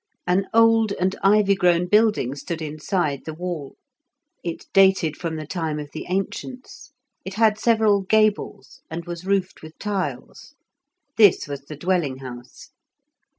An old and ivy grown building stood inside the wall; it dated from the time of the ancients; it had several gables, and was roofed with tiles. This was the dwelling house.